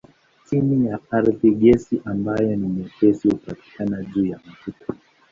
Chini ya ardhi gesi ambayo ni nyepesi hupatikana juu ya mafuta.